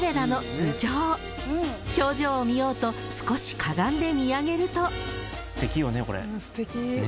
［表情を見ようと少しかがんで見上げると］